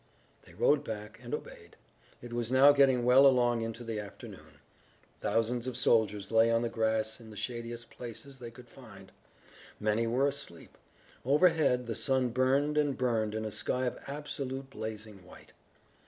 They rode back and obeyed. It was now getting well along into the afternoon. Thousands of soldiers lay on the grass in the shadiest places they could find. Many were asleep. Overhead the sun burned and burned in a sky of absolute blazing white.